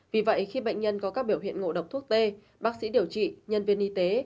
vì vậy khi bệnh nhân có các biểu hiện ngộ độc thuốc t bác sĩ điều trị nhân viên y tế